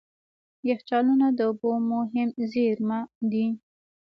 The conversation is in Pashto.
یخچالونه د اوبو مهم زیرمه دي.